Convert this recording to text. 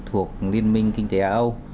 thuộc liên minh kinh tế á âu